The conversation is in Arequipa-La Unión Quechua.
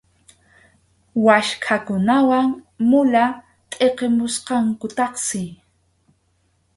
Waskhakunawan mula tʼiqimusqankutaqsi.